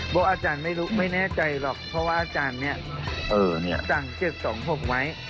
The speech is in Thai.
ว่าอาจารย์ไม่รู้ไม่แน่ใจหรอกเพราะว่าอาจารย์เนี่ยเออเนี่ยสั่งเจ็บสองหกไว้